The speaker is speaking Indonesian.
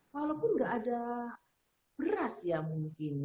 walaupun nggak ada beras ya mungkin